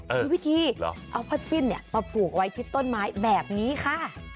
มีวิธีเอาพัดสิ้นเนี่ยมาปลูกไว้ที่ต้นไม้แบบนี้ค่ะ